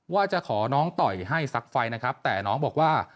ว่าจะขอน้องต่อยให้ซักไฟนะครับแต่น้องบอกว่า